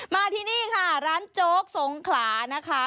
มาที่นี่ค่ะร้านโจ๊กสงขลานะคะ